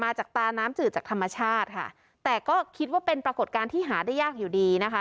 ตาจากตาน้ำจืดจากธรรมชาติค่ะแต่ก็คิดว่าเป็นปรากฏการณ์ที่หาได้ยากอยู่ดีนะคะ